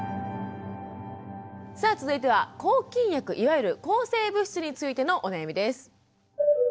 さあ続いては抗菌薬いわゆる抗生物質についてのお悩みです。